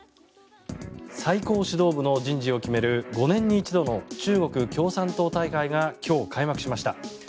最高指導部の人事を決める５年に一度の中国共産党大会が今日、開幕しました。